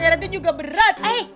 pak rt juga berat